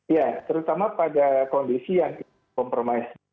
ya terutama pada kondisi yang kompromis